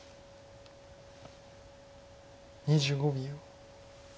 ２５秒。